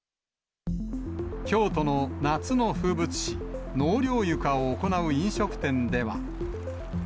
京都の夏の風物詩、納涼床を行う飲食店では。